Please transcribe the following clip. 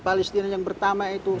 palestina yang pertama itu